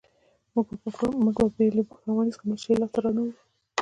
موږ به بې له پښېمانۍ څخه بل هېڅ شی لاسته را نه وړو